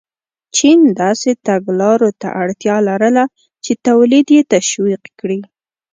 چین داسې تګلارو ته اړتیا لرله چې تولید یې تشویق کړي.